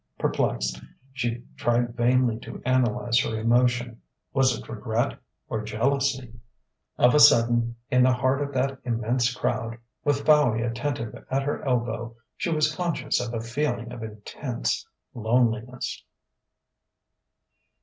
Perplexed, she tried vainly to analyze her emotion: was it regret or jealousy? Of a sudden, in the heart of that immense crowd, with Fowey attentive at her elbow, she was conscious of a feeling of intense loneliness.